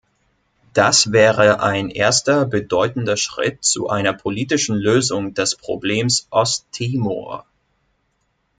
Das wäre ein erster bedeutender Schritt zu einer politischen Lösung des Problems Ost-Timor.